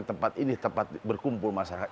tempat ini tempat berkumpul masyarakat